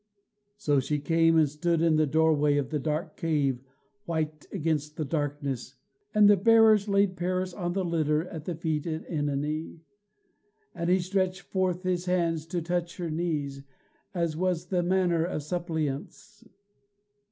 So she came and stood in the doorway of the dark cave, white against the darkness, and the bearers laid Paris on the litter at the feet of OEnone, and he stretched forth his hands to touch her knees, as was the manner of suppliants.